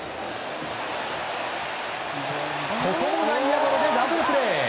ここも内野ゴロでダブルプレー。